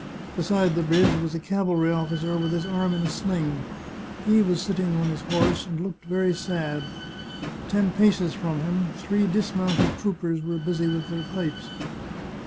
Beside the bridge was a cavalry officer with his arm in a sling. He was sitting on his horse and looked very sad. Ten paces from him three dismounted troopers were busy with their pipes.